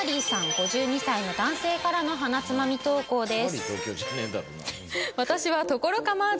５２歳の男性からのはなつまみ投稿です。